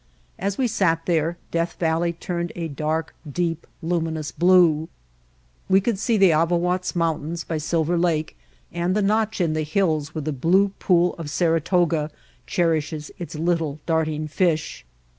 As we sat there Death Valley turned a dark, deep, luminous blue. We could see the Avawatz Mountains by Silver Lake and the White Heart of Mojave notch in the hills where the blue pool of Sara toga cherishes its little darting fish.